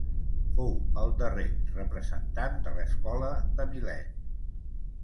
Fou el darrer representant de l'escola de Milet.